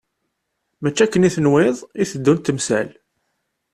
Mačči akken i tenwiḍ i teddunt temsal.